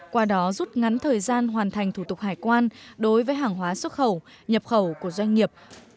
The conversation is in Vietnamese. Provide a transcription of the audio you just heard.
qua đó rút ngắn thời gian hoàn thành thủ tục hải quan đối với hàng hóa xuất khẩu nhập khẩu của doanh nghiệp